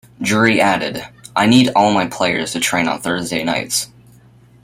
Drury added "I need all my players to train on thursday nights".